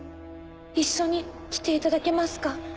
一緒に来ていただけますか？